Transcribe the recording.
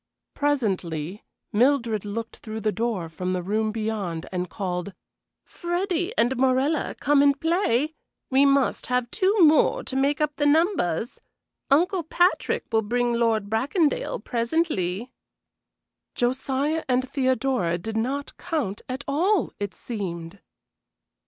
Presently Mildred looked through the door from the room beyond and called: "Freddy and Morella, come and play; we must have two more to make up the numbers. Uncle Patrick will bring Lord Bracondale presently." Josiah and Theodora did not count at all, it seemed!